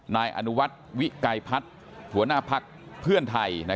นายอนุวัฒน์วิกัยพัฒน์หัวหน้าพักเพื่อไทย